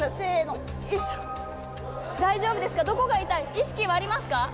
意識はありますか？